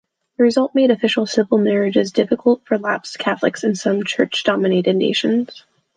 The result made official civil marriages difficult for lapsed Catholics in some Church-dominated nations.